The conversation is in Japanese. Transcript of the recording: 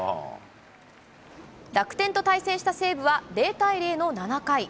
楽天と対戦した西武は、０対０の７回。